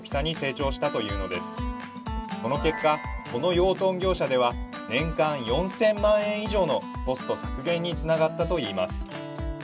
その結果この養豚業者では年間４，０００万円以上のコスト削減につながったといいます。